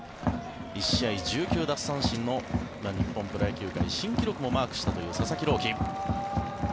１試合１９奪三振の日本プロ野球界新記録をマークした佐々木朗希。